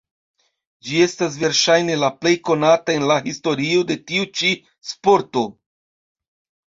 Ĝi estas verŝajne la plej konata en la historio de tiu ĉi sporto.